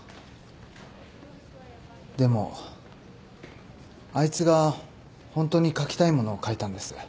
でもあいつがホントに書きたいものを書いたんです。